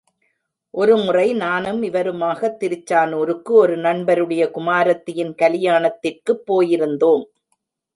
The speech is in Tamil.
ஒருமுறை நானும் இவருமாகத் திருச்சானூருக்கு ஒரு நண்பருடைய குமாரத்தியின் கலியாணத்திற்காகப் போயிருந்தோம்.